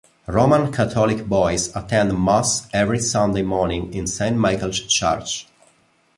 Roman Catholic boys attend mass every Sunday morning in Saint Michael's Church.